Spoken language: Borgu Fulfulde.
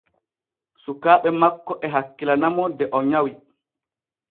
Sukaaɓe makko e hakkilana mo de o nyawi.